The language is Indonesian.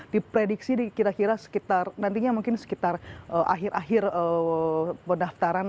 diprediksi kira kira sekitar nantinya mungkin sekitar akhir akhir pendaftaran